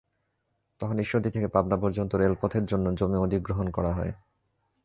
তখন ঈশ্বরদী থেকে পাবনা পর্যন্ত রেলপথের জন্য জমি অধিগ্রহণ করা হয়।